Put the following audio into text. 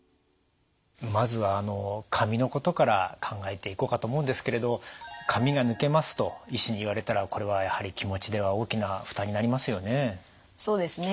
まずはあの髪のことから考えていこうかと思うんですけれど「髪が抜けます」と医師に言われたらこれはやはり気持ちでは大きな負担になりますよね。